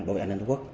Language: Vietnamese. bộ an ninh tổ quốc